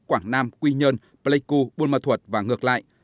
quảng nam quy nhơn pleiku buôn ma thuật và ngược lại